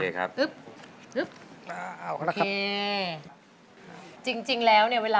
จริงแล้วเวลาเป็นการเริ่มกระดานนี้